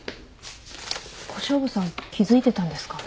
小勝負さん気付いてたんですか？